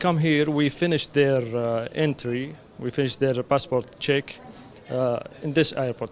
kemudian mereka datang ke sini kami selesai pembukaan pasport mereka di airport ini